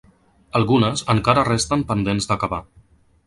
Algunes encara resten pendents d'acabar.